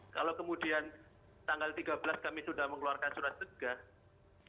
kalau kemudian tanggal tiga belas kami sudah mengeluarkan surat tegas